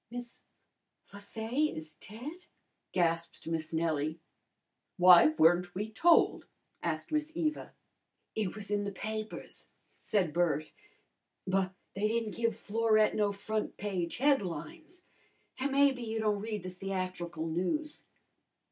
"Miss Le Fay is dead?" gasped Miss Nellie. "Why weren't we told?" asked Miss Eva. "It was in the papers," said Bert. "But they didn't give Florette no front page headlines, an' maybe you don't read the theatrical news."